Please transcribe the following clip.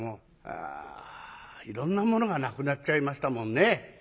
あいろんなものがなくなっちゃいましたもんね。